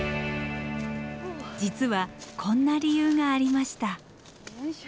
実はこんな理由がありました。